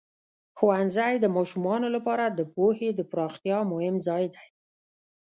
ښوونځی د ماشومانو لپاره د پوهې د پراختیا مهم ځای دی.